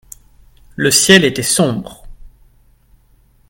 le ciel était sombre.